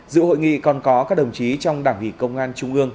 dự hội nghị còn có các đồng chí trong đảng ủy công an trung ương